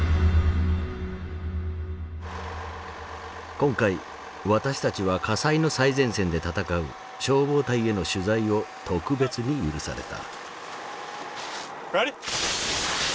今回私たちは火災の最前線で闘う消防隊への取材を特別に許された。